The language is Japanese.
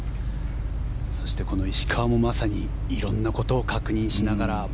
そしてこの石川もまさに色んなことを確認しながら。